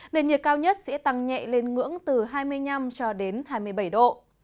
nền nhiệt cao nhất sẽ tăng nhẹ lên ngưỡng từ hai mươi năm cho đến hai mươi bảy độ